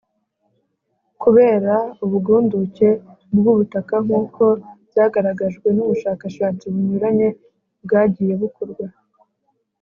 kubera ubugunduke bw'ubutaka nk'uko byagaragajwe n'ubushakashatsi bunyuranye bwagiye bukorwa.